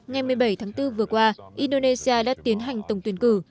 ngày một mươi bảy tháng bốn vừa qua indonesia đã tiến hành tổng tuyển cử